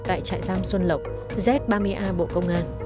tại trại giam xuân lộc z ba mươi a bộ công an